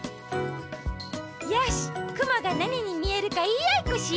よしくもがなににみえるかいいあいっこしよう！